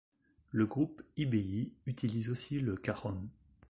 Le groupe Ibeyi utilise aussi le cajón.